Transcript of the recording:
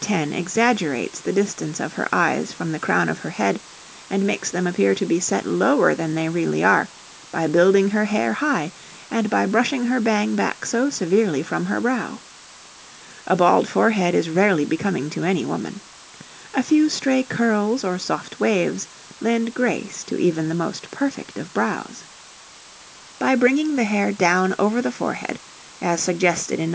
10 exaggerates the distance of her eyes from the crown of her head, and makes them appear to be set lower than they really are by building her hair high, and by brushing her bang back so severely from her brow. A bald forehead is rarely becoming to any woman. A few stray curls or soft waves lend grace to even the most perfect of brows. [Illustration: NO. 11] By bringing the hair down over the forehead, as suggested in No.